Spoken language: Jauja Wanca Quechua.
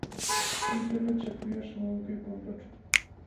Tayta lachak kuyaśhqam wankayuq pampaćhu.